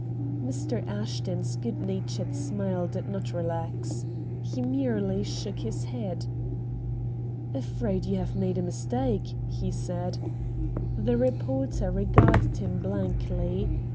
Mr. Ashton's good natured smile did not relax. He merely shook his head. "Afraid you have made a mistake," he said. The reporter regarded him blankly.